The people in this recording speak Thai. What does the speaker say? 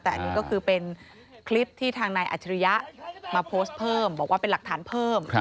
แต่อันนี้ก็คือเป็นคลิปที่ทางนายอัจฉริยะมาโพสต์เพิ่มบอกว่าเป็นหลักฐานเพิ่ม